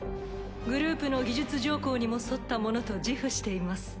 グループの技術条項にも沿ったものと自負しています。